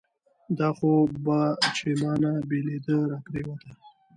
دا خو بهٔ چې مانه بېلېده راپرېوته